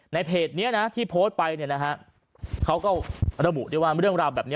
ในเพจนี้ที่โพสต์ไปเขาก็ระบุว่าเรื่องราวแบบนี้